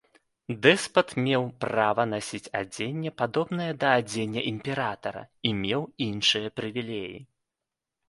Дэспат меў права насіць адзенне, падобнае да адзення імператара, і меў іншыя прывілеі.